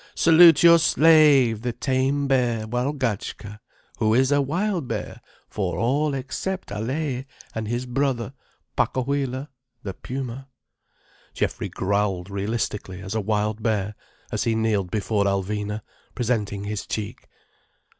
"Salute your slave, the tame bear Walgatchka, who is a wild bear for all except Allaye and his brother Pacohuila the Puma." Geoffrey growled realistically as a wild bear as he kneeled before Alvina, presenting his cheek.